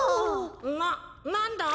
ななんだ？